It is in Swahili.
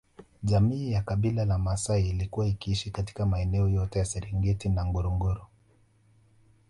Jamii ya Kabila la Maasai ilikuwa ikiishi katika maeneo yote ya Serengeti na Ngorongoro